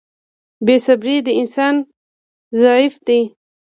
• بې صبري د انسان ضعف دی.